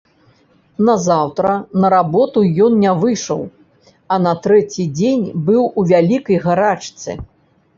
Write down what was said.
Назаўтра на работу ён не выйшаў, а на трэці дзень быў у вялікай гарачцы.